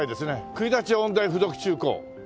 「国立音大附属中・高」。